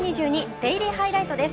デイリーハイライト」です。